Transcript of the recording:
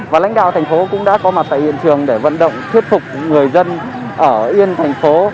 và lãnh đạo thành phố cũng đã có mặt tại hiện trường để vận động thuyết phục người dân ở yên thành phố